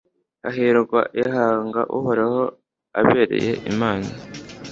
Hahirwa ihanga Uhoraho abereye Imana